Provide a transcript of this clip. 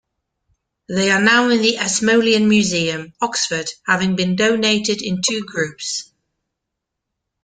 They are now in the Ashmolean Museum, Oxford, having been donated in two groups.